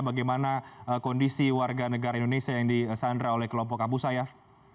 bagaimana kondisi warga negara indonesia yang disandra oleh kelompok abu sayyaf